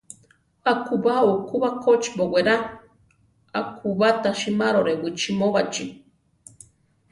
Akubá uku bakochi bowerá; akubá ta simárore wichimóbachi.